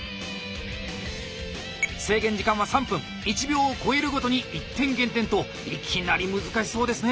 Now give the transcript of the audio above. １秒を超えるごとに１点減点といきなり難しそうですね。